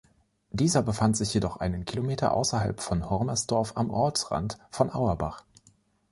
Dieser befand sich jedoch einen Kilometer außerhalb von Hormersdorf am Ortsrand von Auerbach.